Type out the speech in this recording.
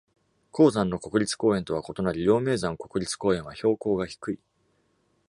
高山の国立公園とは異なり、陽明山国立公園は標高が低い。